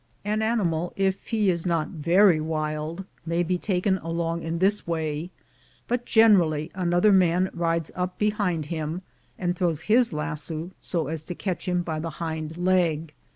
An animal, if he is not very wild, may be taken along in this way, but generally another man rides up behind him, and throws his lasso so as to catch him by the hind leg.